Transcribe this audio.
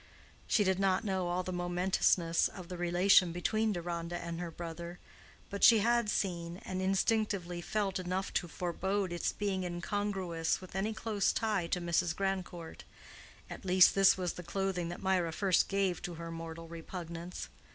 She did not know all the momentousness of the relation between Deronda and her brother, but she had seen, and instinctively felt enough to forebode its being incongruous with any close tie to Mrs. Grandcourt; at least this was the clothing that Mirah first gave to her mortal repugnance.